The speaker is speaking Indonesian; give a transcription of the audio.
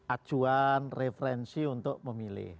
ajuan referensi untuk memilih